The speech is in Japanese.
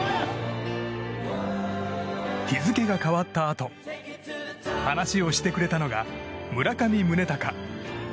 日付が変わったあと話をしてくれたのが、村上宗隆。